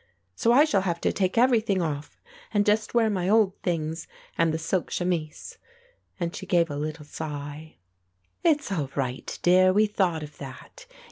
So I shall have to take everything off and just wear my old things and the silk chemise"; and she gave a little sigh. "It is all right, dear; we thought of that.